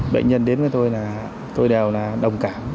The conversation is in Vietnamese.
bệnh nhân đến với tôi tôi đều đồng cảm